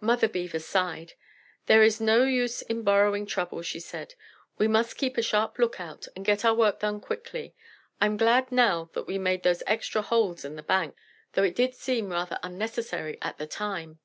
Mother Beaver sighed. "There is no use in borrowing trouble," she said. "We must just keep a sharp look out, and get our work done quickly. I'm glad now that we made those extra holes in the bank, though it did seem rather unnecessary at the time."